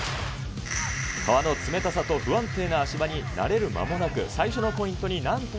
川の冷たさと不安定な足場に慣れる間もなく、最初のポイント